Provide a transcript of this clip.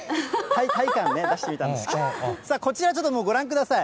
タイ感出してみたんですけれども、こちら、ちょっともうご覧ください。